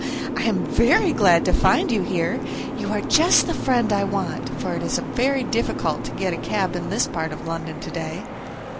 I am very glad to find you here; you are just the friend I want, for it is very difficult to get a cab in this part of London to day."